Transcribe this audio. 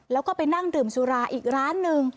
แล้วก็ไปนั่งดื่มสุราอีกร้านหนึ่ง